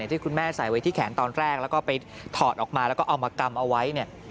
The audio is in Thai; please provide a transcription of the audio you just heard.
ที่คุณแม่ใส่ไว้ที่แขนตอนแรกแล้วก็ไปถอดออกมาแล้วก็เอามากำเอาไว้เนี่ย